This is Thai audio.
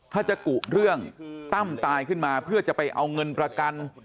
ถ้าจะกุเรื่องตั้มตายขึ้นมาเพื่อจะไปเอาเงินประกัน